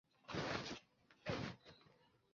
青皮木为铁青树科青皮木属下的一个种。